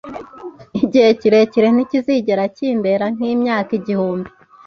igihe kirekire ntikizigera kimbera nk’imyaka igihumbi.